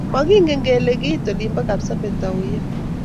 Makingen kele kiit olin po Kapsabet auyo.